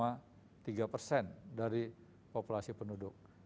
ini adalah tiga persen dari populasi penduduk